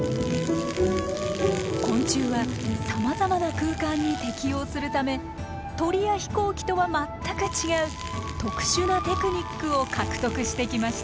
昆虫はさまざまな空間に適応するため鳥や飛行機とは全く違う特殊なテクニックを獲得してきました。